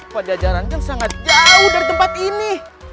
pajajaran kan sangat jauh dari tempat ini